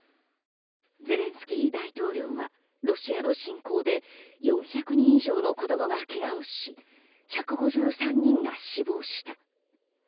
ゼレンスキー大統領はロシアの侵攻で４００人以上の子供がけがをし１５３人が死亡した。